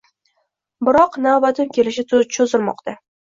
biroq navbatim kelishi cho‘zilmoqda.